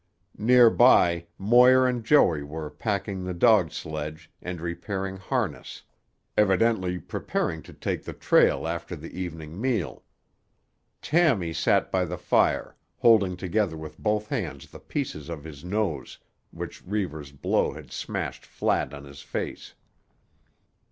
Near by, Moir and Joey were packing the dog sledge and repairing harness, evidently preparing to take the trail after the evening meal. Tammy sat by the fire, holding together with both hands the pieces of his nose which Reivers' blow had smashed flat on his face.